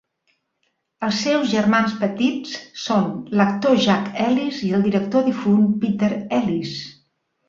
Els seus germans petits són l'actor Jack Ellis i el director difunt Peter Ellis.